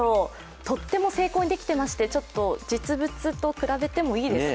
とっても精巧にできてまして、実物と比べてもいいですか。